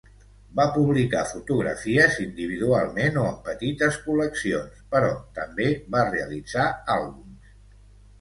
Va publicar fotografies individualment o en petites col·leccions, però també va realitzar àlbums.